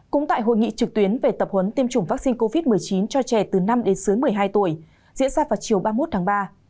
cũng tại hội nghị trực tuyến về tập huấn tiêm chủng vaccine covid một mươi chín cho trẻ từ năm đến dưới một mươi hai tuổi diễn ra vào chiều ba mươi một tháng ba